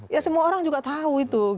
ya semua orang juga tahu itu